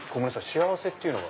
幸せっていうのは？